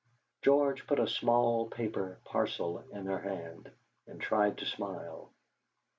George put a small paper parcel in her hand and tried to smile.